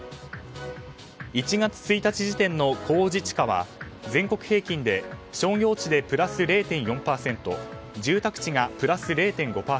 １月１日時点の公示地価は全国平均で商業地でプラス０．４％住宅地がプラス０．５％